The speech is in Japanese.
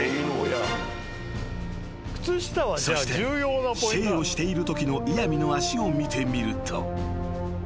［そして「シェー！」をしているときのイヤミの足を見てみると］